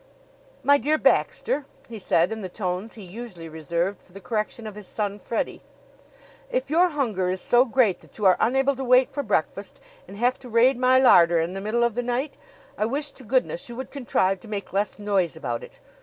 "My dear Baxter," he said in the tones he usually reserved for the correction of his son Freddie, "if your hunger is so great that you are unable to wait for breakfast and have to raid my larder in the middle of the night, I wish to goodness you would contrive to make less noise about it.